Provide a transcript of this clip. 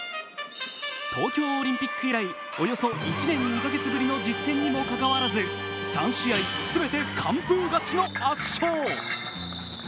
東京オリンピック以来、およそ１年２か月ぶりの実戦にもかかわらず３試合全て完封勝ちの圧勝。